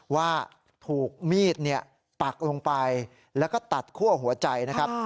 ว่าถูกมีดปักลงไปแล้วก็ตัดคั่วหัวใจนะครับ